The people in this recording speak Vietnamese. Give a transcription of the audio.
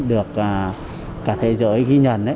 được cả thế giới ghi nhận